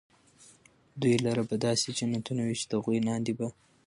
دوى لره به داسي جنتونه وي چي د هغو لاندي به